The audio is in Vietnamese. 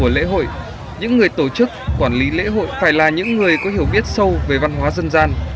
trong những người tổ chức quản lý lễ hội phải là những người có hiểu biết sâu về văn hóa dân gian